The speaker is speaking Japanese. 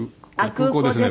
空港ですね。